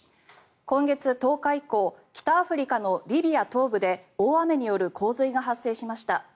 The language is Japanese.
今月１０日以降北アフリカのリビア東部で大雨による洪水が発生しました。